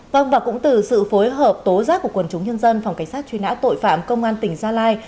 vâng và cũng từ sự phối hợp tố giác của quần chúng nhân dân phòng cảnh sát truy nã tội phạm công an tỉnh gia lai